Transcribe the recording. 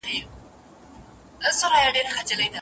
بېلوبېلو بادارانوته رسیږي